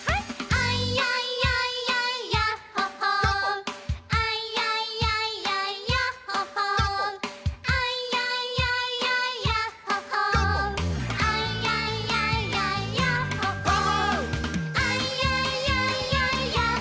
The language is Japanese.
「アイヤイヤイヤイヤッホ・ホー」「アイヤイヤイヤイヤッホ・ホー」「アイヤイヤイヤイヤッホ・ホー」「アイヤイヤイヤイヤッホ・ホー」